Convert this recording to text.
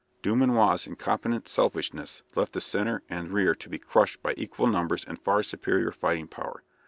Dumanoir's incompetent selfishness left the centre and rear to be crushed by equal numbers and far superior fighting power.